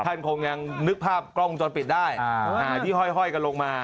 ท่านคงยังนึกภาพกล้องวงจรปิดได้ที่ห้อยกันลงมา